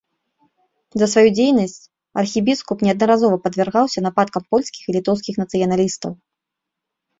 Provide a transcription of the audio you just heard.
За сваю дзейнасць архібіскуп неаднаразова падвяргаўся нападкам польскіх і літоўскіх нацыяналістаў.